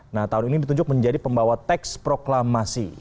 nah tahun ini ditunjuk menjadi pembawa teks proklamasi